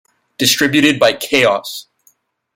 Distributed by Chaos!